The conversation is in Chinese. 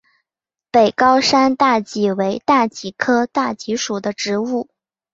北高山大戟为大戟科大戟属的植物。